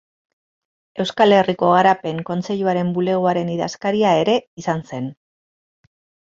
Euskal Herriko Garapen Kontseiluaren bulegoaren idazkaria ere izan zen.